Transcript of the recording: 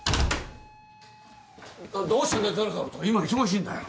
どどうしたんだぞろぞろと今忙しいんだよ。